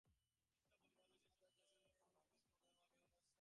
মিথ্যা বলিতে হইলে সত্যেরই নকল করিতে হয় এবং ঐ সত্যটির বাস্তবিক সত্তা আছে।